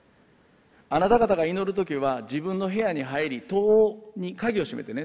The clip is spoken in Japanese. あなた方が祈る時は自分の部屋に入り戸に鍵を閉めてね。